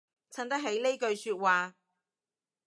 襯得起呢句說話